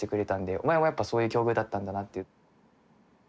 「お前もやっぱそういう境遇だったんだな」っていう。